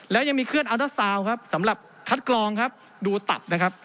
แล้วยังมีเครื่องอัลด้าซาวน์ครับสำหรับคัดกรองครับดูตัดนะครับ